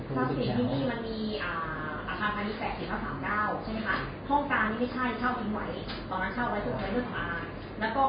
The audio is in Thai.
สิ่งที่ดีมันมีอาธารณีแสดกเฉพาะ๓เก้าใช่ไหมครับ